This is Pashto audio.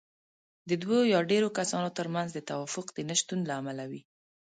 د دوو يا ډېرو کسانو ترمنځ د توافق د نشتون له امله وي.